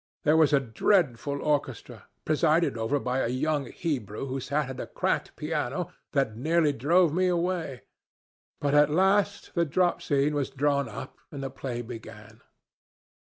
There was a dreadful orchestra, presided over by a young Hebrew who sat at a cracked piano, that nearly drove me away, but at last the drop scene was drawn up and the play began.